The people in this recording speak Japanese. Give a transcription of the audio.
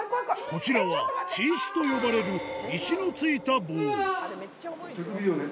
こちらは「チーシ」と呼ばれる石の付いた棒手首をね